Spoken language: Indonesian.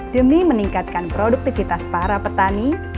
demi meningkatkan produktivitas para petani